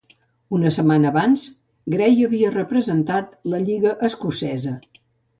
Una setmana abans, Gray havia representat la Lliga Escocesa.